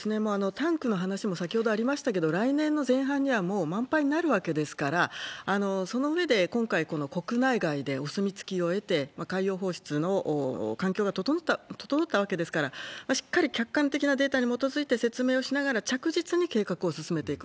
タンクの話も先ほどありましたけれども、来年の前半にはもう満杯になるわけですから、その上で、今回、国内外でお墨付きを得て、海洋放出の環境が整ったわけですから、しっかり客観的なデータに基づいて説明をしながら、着実に計画を進めていく。